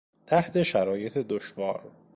تحت شرایط دشوار